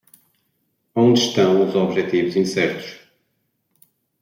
Onde estão os objetivos incertos?